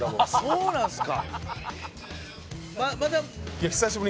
そうなんですか？